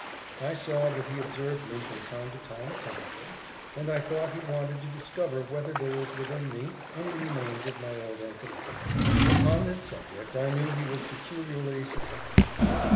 I saw that he observed me from time to time attentively, and I thought he wanted to discover whether there was within me any remains of my old antipathies. Upon this subject I knew he was peculiarly susceptible.